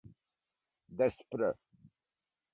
Despr